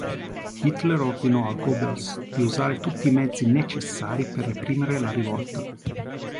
Hitler ordinò a Goebbels di usare tutti i mezzi necessari per reprimere la rivolta.